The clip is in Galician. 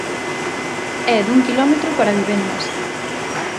É dun quilómetro para vivendas.